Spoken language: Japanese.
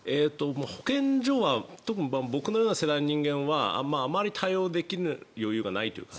保健所は僕のような世代の人間はあまり対応できる余裕がないというか。